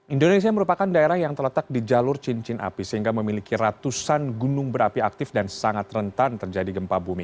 indonesia merupakan daerah yang terletak di jalur cincin api sehingga memiliki ratusan gunung berapi aktif dan sangat rentan terjadi gempa bumi